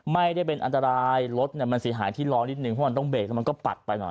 ไม่ได้เป็นอันตรายรถมันเสียหายที่ล้อนิดนึงเพราะมันต้องเบรกแล้วมันก็ปัดไปหน่อย